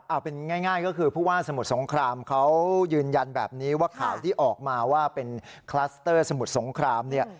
เอาเป็นง่ายก็คือผู้ว่าสมุทรสงครามเขายืนยันแบบนี้ว่าข่าวที่ออกมาว่าเป็นคลัสเตอร์สมุทรสงครามเนี่ย